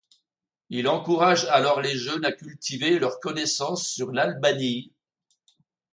Il encourage alors les jeunes à cultiver leurs connaissances sur l'Albanie.